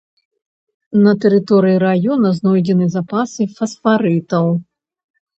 На тэрыторыі раёна знойдзены запасы фасфарытаў.